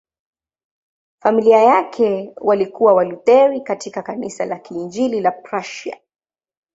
Familia yake walikuwa Walutheri katika Kanisa la Kiinjili la Prussia.